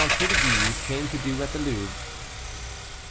DE GUISE CAME TO DO AT THE LOUVRE.